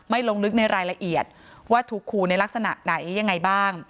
ลงลึกในรายละเอียดว่าถูกขู่ในลักษณะไหนยังไงบ้าง